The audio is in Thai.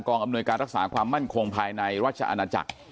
อำนวยการรักษาความมั่นคงภายในราชอาณาจักร